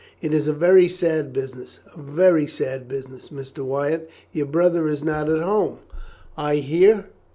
"It is a very sad business, a very sad business, Mr. Wyatt. Your brother is not at home, I hear?"